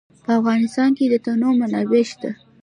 په افغانستان کې د تنوع منابع شته.